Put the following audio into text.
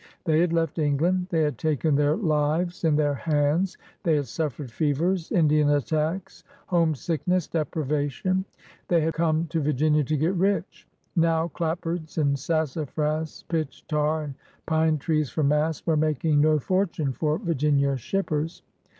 They had left England; they had taken their lives in their hands; they had suffered fevers, Indian attacks, homesickness, deprivation. They had come to Virginia to get rich. Now clapboards and sassafras, pitch, tar, and pine trees for masts, were making no fortime for Virginia shippers.